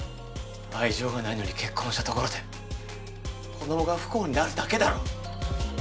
愛情がないのに結婚したところで子どもが不幸になるだけだろ。